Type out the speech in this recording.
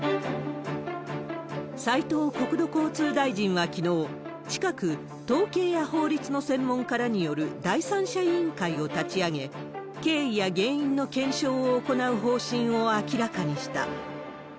斉藤国土交通大臣はきのう、近く統計や法律の専門家らによる第三者委員会を立ち上げ、経緯や原因の検証を行う方針を明らかにした。